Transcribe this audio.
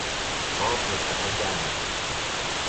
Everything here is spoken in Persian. آب نسبتا گرم است.